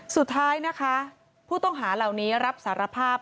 สุดท้ายนะคะผู้ต้องหาเหล่านี้รับสารภาพ